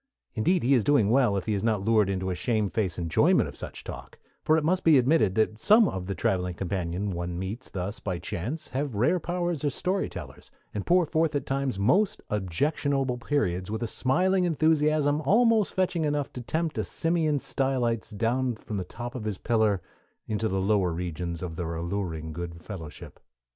Indeed he is doing well if he is not lured into a shamefaced enjoyment of such talk; for it must be admitted that some of the traveling companions one meets thus by chance have rare powers as story tellers, and pour forth at times most objectionable periods with a smiling enthusiasm almost fetching enough to tempt a Simeon Stylites down from the top of his pillar into the lower regions of their alluring good fellowship.